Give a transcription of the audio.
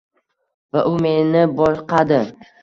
Va u meni boqadi.